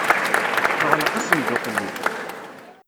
Teɣleq asenduq-nni.